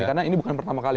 karena ini bukan pertama kali